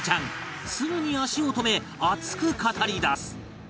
すぐに足を止め熱く語りだす